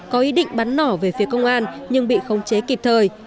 có ý định bắn nỏ về phía công an nhưng bị khống chế kịp thời